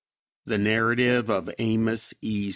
(The narrative of Amos E.